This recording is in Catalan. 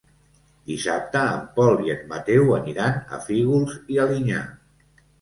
Dissabte en Pol i en Mateu aniran a Fígols i Alinyà.